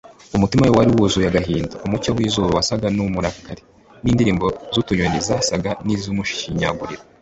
umutima we wari wuzuye agahinda. Umucyo w’izuba wasaga n’umurakariye, n’indirimbo z’utunyoni zasaga n’izimushinyagurira